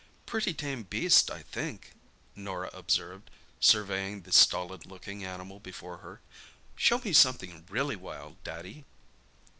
"Pretty tame beast, I think," Norah observed, surveying the stolid looking animal before her. "Show me something really wild, Daddy."